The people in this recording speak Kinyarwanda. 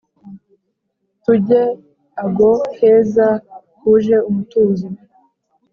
Tujye ago heza huje umutuzo